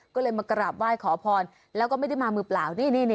ก็เลยมากราบไหว้ขอพรแล้วก็ไม่ได้มามือเปล่านี่